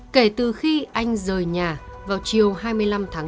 kể từ khi anh rời nhà vào chiều hai mươi năm tháng tám